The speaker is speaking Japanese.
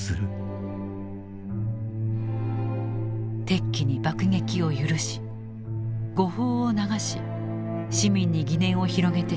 敵機に爆撃を許し誤報を流し市民に疑念を広げてしまった軍。